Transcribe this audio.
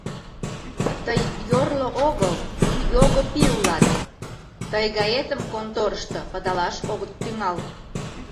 Тый йорло огыл, його пий улат; тый гаетым конторышто пыдалаш огыт тӱҥал.